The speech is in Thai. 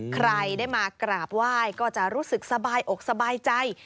ใครได้มากราบไหว้ก็จะรู้สึกสบายอกสบายใจ